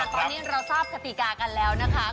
ตอนนี้เราทราบกติกากันแล้วนะคะ